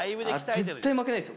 絶対負けないです。